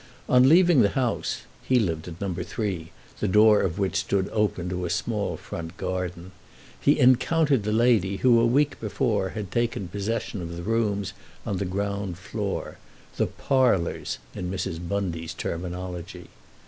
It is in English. On leaving the house (he lived at No. 3, the door of which stood open to a small front garden), he encountered the lady who, a week before, had taken possession of the rooms on the ground floor, the "parlours" of Mrs. Bundy's terminology.